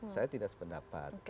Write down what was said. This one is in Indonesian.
saya tidak sependapat